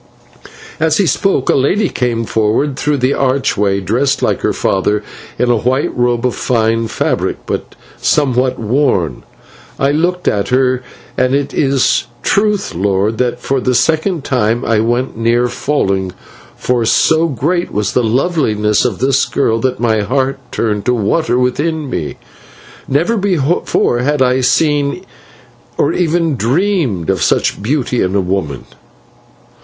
"As he spoke a lady came forward through the archway, dressed like her father, in a white robe of fine fabric, but somewhat worn. I looked at her, and it is truth, lord, that for the second time I went near to falling, for so great was the loveliness of this girl that my heart turned to water within me. Never before had I seen, or even dreamed of, such beauty in a woman."